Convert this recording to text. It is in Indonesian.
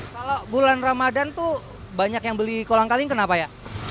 kalau bulan ramadhan tuh banyak yang beli kolang kaling kenapa ya